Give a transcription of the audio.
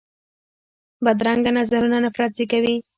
بدرنګه نظرونه نفرت زېږوي